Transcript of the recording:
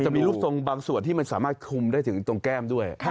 จะมีรูปทรงบางส่วนที่มันสามารถคุมได้ถึงตรงแก้มด้วย